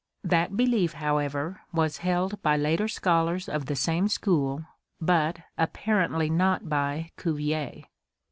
That belief, however, was held by later scholars of the same school, but apparently not by Cuvier.